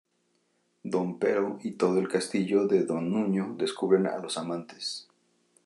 Don Pero y todo el castillo de Don Nuño descubren a los amantes.